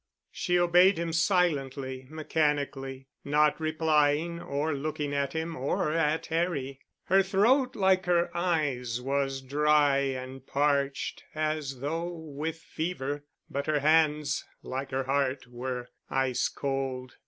She obeyed him silently, mechanically, not replying or looking at him or at Harry. Her throat like her eyes was dry, and parched, as though with fever, but her hands, like her heart, were ice cold.